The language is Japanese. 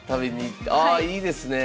ああいいですねえ。